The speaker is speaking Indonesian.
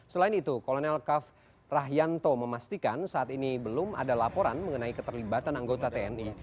selain itu kolonel kav rahyanto memastikan saat ini belum ada laporan mengenai keterlibatan anggota tni